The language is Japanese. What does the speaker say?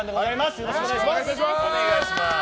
よろしくお願いします。